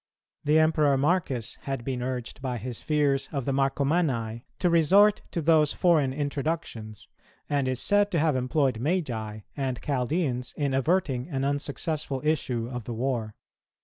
The Emperor Marcus had been urged by his fears of the Marcomanni to resort to these foreign introductions, and is said to have employed Magi and Chaldeans in averting an unsuccessful issue of the war.